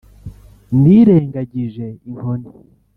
nirengagije inkoni